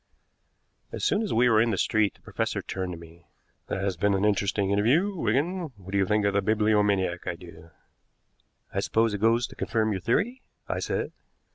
As soon as we were in the street the professor turned to me. "That has been an interesting interview, Wigan. What do you think of the bibliomaniac idea?" "I suppose it goes to confirm your theory?" I said.